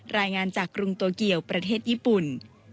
รายงานจากกรุงโตเกียวประเทศญี่ปุ่น